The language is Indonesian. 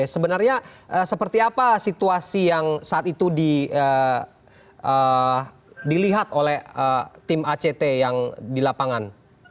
sebenarnya seperti apa situasi yang saat itu dilihat oleh tim act yang di lapangan